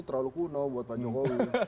terlalu kuno buat pak jokowi